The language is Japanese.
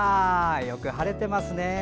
よく晴れてますね。